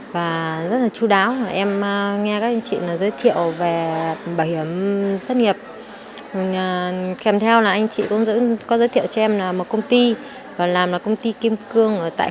và em sẽ làm hồ sơ để vào làm công ty